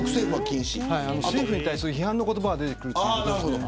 政府に対する批判の言葉が出てくるということで。